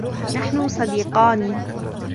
نحن صديقان.